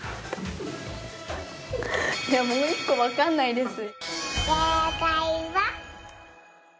でももう１個分かんないです。